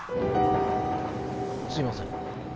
すみません。